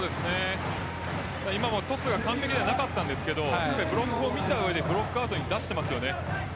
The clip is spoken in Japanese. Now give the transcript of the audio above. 今のもトスが完璧ではなかったんですがブロックは見た上でブロックアウトに出していますよね。